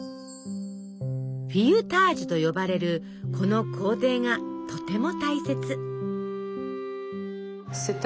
フイユタージュと呼ばれるこの工程がとても大切。